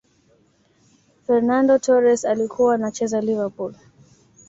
fernando torres alikuwa anacheza liverpool